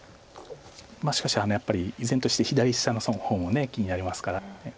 しかしやっぱり依然として左下の方も気になりますから。